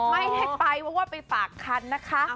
ไม่ได้ไปเพราะว่าไปฝากคันนะคะ